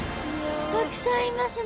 たくさんいますね。